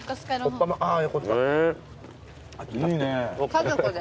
家族で？